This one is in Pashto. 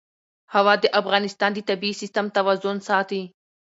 هوا د افغانستان د طبعي سیسټم توازن ساتي.